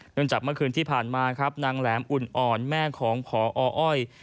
จากเมื่อคืนที่ผ่านมาครับนางแหลมอุ่นอ่อนแม่ของพออ้อย